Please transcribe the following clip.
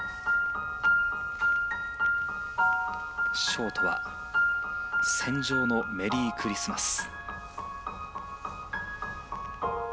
ショートは「戦場のメリークリスマス」。